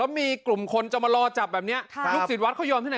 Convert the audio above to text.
มีกลุ่มคนจะมารอจับแบบนี้ลูกศิษย์วัดเขายอมที่ไหน